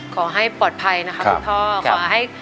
ขอให้ปลอดภัยนะครับคุณพ่อ